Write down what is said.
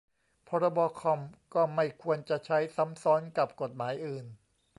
พรบคอมพ์ ก็ไม่ควรจะใช้ซ้ำซ้อนกับกฎหมายอื่น